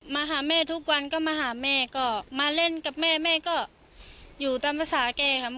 มาหาแม่ทุกวันก็มาหาแม่ก็มาเล่นกับแม่แม่ก็อยู่ตามภาษาแกค่ะ